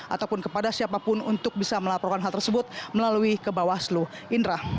ataupun kepada siapapun untuk bisa melaporkan hal tersebut melalui kebawah selu indra